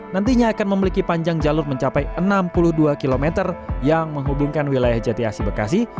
nantinya akan memiliki panjang jalur mencapai enam puluh dua km yang menghubungkan wilayah jati asi bekasi